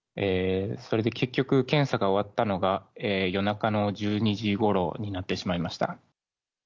それで結局、検査が終わったのが、夜中の１２時ごろになってしまいました。